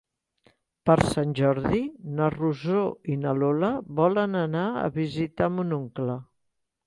Per Sant Jordi na Rosó i na Lola volen anar a visitar mon oncle.